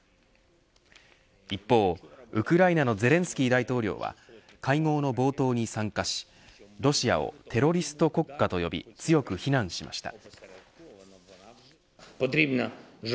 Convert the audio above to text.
一方、ウクライナのゼレンスキー大統領は会合の冒頭に参加しロシアをテロリスト国家と呼び強く非難しました。